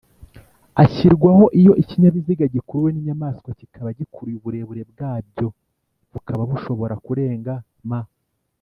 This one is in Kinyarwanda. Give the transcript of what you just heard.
ashyirwaho iyo ikinyabiziga gikuruwe n’inyamaswa kikaba gikuruye uburebure bwabyo bukaba bushobora kurenga m